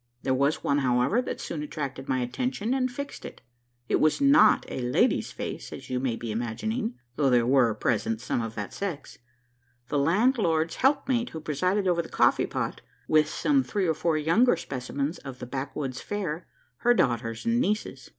There was one, however, that soon attracted my attention, and fixed it. It was not a lady's face, as you may be imagining; though there were present some of that sex the landlord's helpmate who presided over the coffee pot, with some three or four younger specimens of the backwoods fair her daughters and nieces.